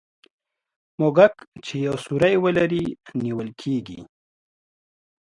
موږک چي یو سوری ولري نیول کېږي.